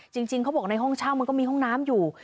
จริงเขาบอกในห้องเช่ามันก็มีห้องน้ำอยู่